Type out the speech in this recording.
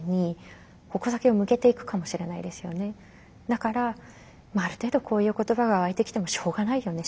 だから「ある程度こういう言葉がわいてきてもしょうがないよね。